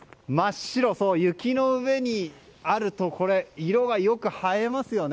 雪の上にあるとこれ、色がよく映えますよね。